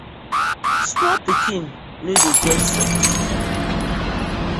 Small pikin no dey get sense.